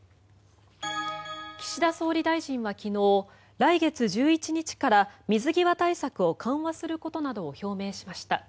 岸田総理大臣は昨日来月１１日から水際対策を緩和することなどを表明しました。